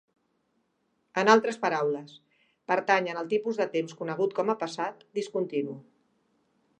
En altres paraules, pertanyen al tipus de temps conegut com a passat discontinu.